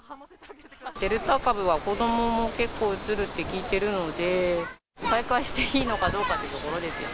デルタ株は子どもも結構うつると聞いているので、再開していいのかどうかっていうところです